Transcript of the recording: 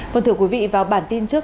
vâng thưa quý vị vào bản tin trước